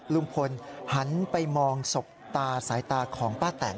ลุงพลหันไปมองศพตาสายตาของป้าแตน